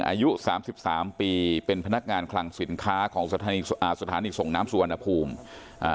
อายุสามสิบสามปีเป็นพนักงานคลังสินค้าของสถานีอ่าสถานีส่งน้ำสุวรรณภูมิอ่า